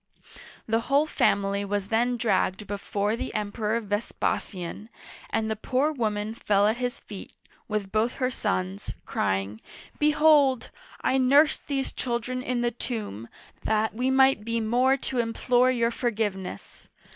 The whole family was then dragged before the Emperor Vespa'sian, and the poor woman fell at his feet with both uigiTizea Dy vjiOOQlC 36 OLD FRANCE her sons, crying, " Behold ! I nursed these children in the tomb, that we might be more to implore your forgiveness